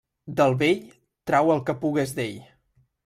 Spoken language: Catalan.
Del vell, trau el que pugues d'ell.